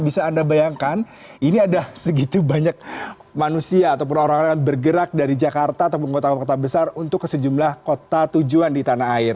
bisa anda bayangkan ini ada segitu banyak manusia ataupun orang orang yang bergerak dari jakarta ataupun kota kota besar untuk ke sejumlah kota tujuan di tanah air